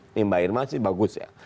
ini mbak irma sih bagus ya